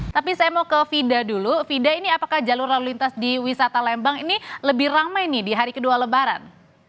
tapi saya mau ke vida dulu fida ini apakah jalur lalu lintas di wisata lembang ini lebih ramai nih di hari kedua lebaran